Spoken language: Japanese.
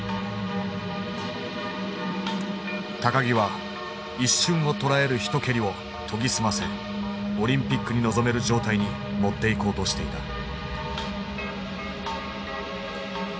木は一瞬をとらえる一蹴りを研ぎ澄ませオリンピックに臨める状態に持っていこうとしていた。